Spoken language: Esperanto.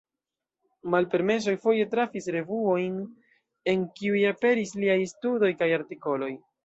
Malpermesoj foje trafis revuojn, en kiuj aperis liaj studoj kaj artikoloj.